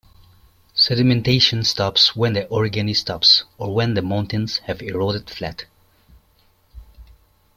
Sedimentation stops when the orogeny stops, or when the mountains have eroded flat.